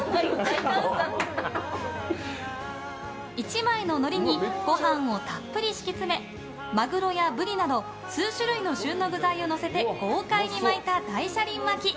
１枚ののりにご飯をたっぷり敷き詰めマグロやブリなど数種類の旬の具材をのせて豪快に巻いた、大車輪巻。